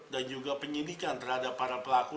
dan juga penyelidikan terhadap para pelaku